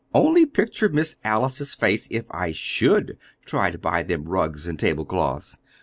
"Only picture Miss Alice's face if I should try to buy them rugs and tablecloths!